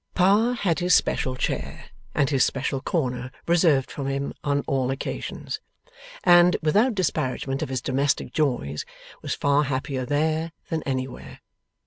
Pa had his special chair and his special corner reserved for him on all occasions, and without disparagement of his domestic joys was far happier there, than anywhere.